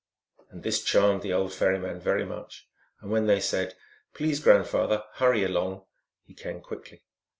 This charmed the old ferryman very much, and when they said, " Please, grandfather, hurry along," he came quickly.